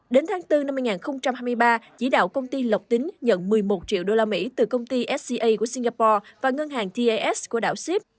đến tháng bốn năm hai nghìn hai mươi ba chỉ đạo công ty lộc tính nhận một mươi một triệu usd từ công ty sca của singapore và ngân hàng tas của đảo sip